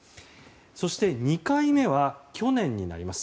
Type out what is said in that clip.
そして２回目は去年になります。